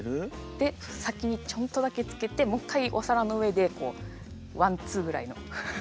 で先にチョンとだけつけてもう一回お皿の上でこうワンツーぐらいの。